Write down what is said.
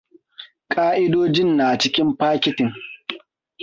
Ka'idojin na cikin fakitin.